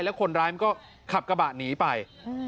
แล้วคนร้ายมันก็ขับกระบะหนีไป